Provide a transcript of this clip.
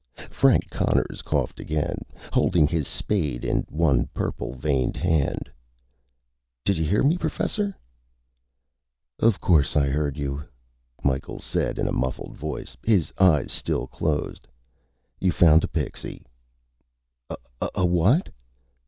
Frank Conners coughed again, holding his spade in one purple veined hand. "Didja hear me, Professor?" "Of course I heard you," Micheals said in a muffled voice, his eyes still closed. "You found a pixie." "A what?"